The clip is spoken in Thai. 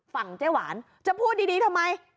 เจ๊หวานจะพูดดีทำไม